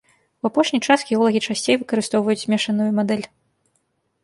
У апошні час геолагі часцей выкарыстоўваюць змешаную мадэль.